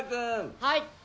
はい。